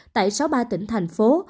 tại sáu mươi ba tỉnh thành phố